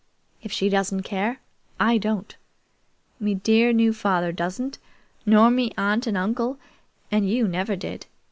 If she doesn't care, I don't. Me dear new father doesn't, nor me aunt and uncle, and you never did.